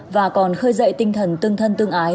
và còn khơi dậy tinh thần tương thân tương ái